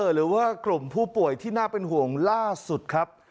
หรือว่ากลุ่มผู้ป่วยที่น่าเป็นห่วงล่าสุดครับ